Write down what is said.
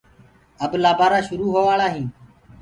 اب لآبآرآ شروُ هوآݪآ هينٚ۔